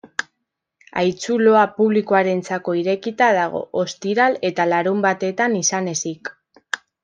Haitzuloa publikoarentzako irekita dago, ostiral eta larunbatetan izan ezik.